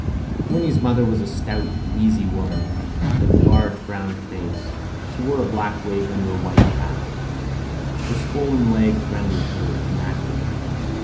Winnie's mother was a stout, wheezy woman, with a large brown face. She wore a black wig under a white cap. Her swollen legs rendered her inactive.